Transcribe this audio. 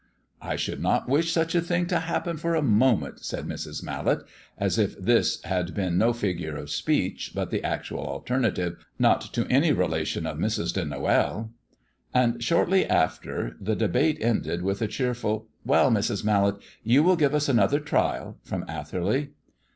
"I should not wish such a thing to happen for a moment," said Mrs. Mallet, as if this had been no figure of speech but the actual alternative, "not to any relation of Mrs. de Noël." And shortly after the debate ended with a cheerful "Well, Mrs. Mallet, you will give us another trial," from Atherley.